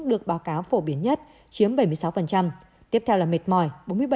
được báo cáo phổ biến nhất chiếm bảy mươi sáu tiếp theo là mệt mỏi bốn mươi bảy